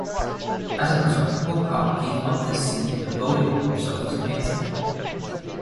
As a result, Pocock gave up the sea and devoted himself to painting.